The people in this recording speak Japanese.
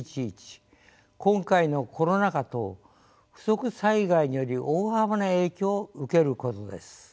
今回のコロナ禍等不測災害により大幅な影響を受けることです。